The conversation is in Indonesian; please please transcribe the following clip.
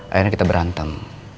akhirnya kita berantem